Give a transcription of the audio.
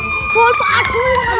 tidak pak dini